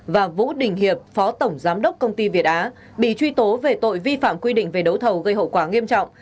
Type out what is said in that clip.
và vũ đình hiệp phó tổng giám đốc công ty việt á bị truy tố về tội vi phạm quy định về đấu thầu gây hậu quả nghiêm trọng